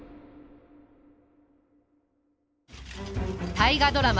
大河ドラマ